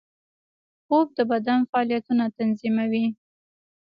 خوب د بدن فعالیتونه تنظیموي